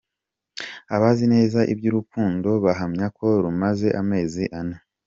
Abazi neza iby’uru rukundo bahamya ko rumaze amezi ane.